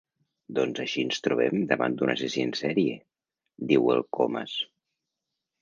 Doncs així ens trobem davant d'un assassí en sèrie —diu el Comas.